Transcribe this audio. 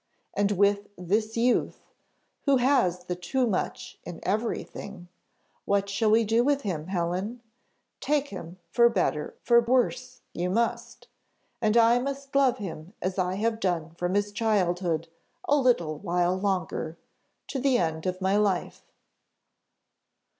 And with this youth, who has the too much in every thing what shall we do with him, Helen? Take him, for better for worse, you must; and I must love him as I have done from his childhood, a little while longer to the end of my life."